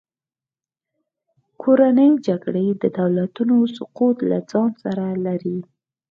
کورنۍ جګړې د دولتونو سقوط له ځان سره لري.